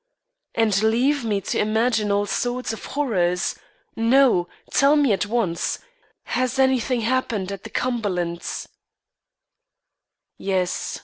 "And leave me to imagine all sorts of horrors? No! Tell me at once. Is is has anything happened at the Cumberlands'?" "Yes.